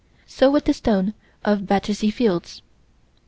So with the stone of Battersea Fields.